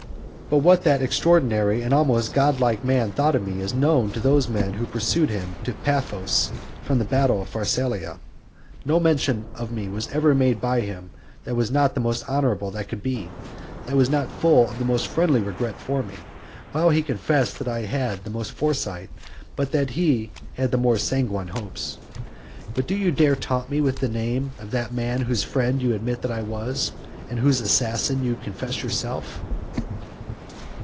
But what that extraordinary and almost godlike man thought of me is known to those men who pursued him to Paphos from the battle of Pharsalia. No mention of me was ever made by him that was not the most honourable that could be, that was not full of the most friendly regret for me; while he confessed that I had had the most foresight, but that he had had more sanguine hopes. And do you dare taunt me with the name of that man whose friend you admit that I was, and whose assassin you confess yourself?